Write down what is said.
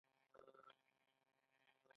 کرنه او مالداري د خلکو پیشه وه